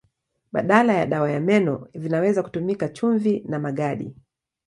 Badala ya dawa ya meno vinaweza kutumika chumvi na magadi.